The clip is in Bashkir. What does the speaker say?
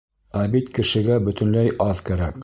Ә бит кешегә бөтөнләй аҙ кәрәк.